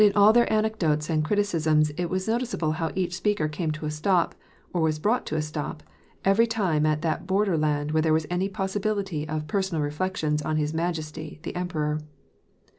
319 « all their anecdotes and criticisms it was noticeable how each speaker came to a stop, or was brought to a stop, every time at that border land where there was any possibility of personal reflections on his majesty, the Emperor.